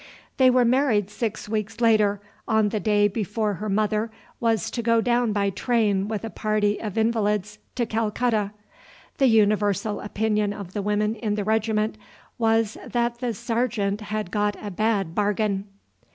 They were married six weeks later, on the day before her mother was to go down by train with a party of invalids to Calcutta. The universal opinion of the women in the regiment was that the sergeant had got a bad bargain.